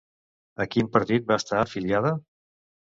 A quin partit va estar afiliada?